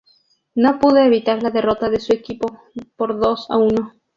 No pudo evitar la derrota de su equipo por dos a uno.